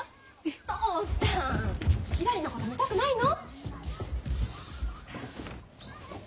お父さんひらりのこと見たくないの？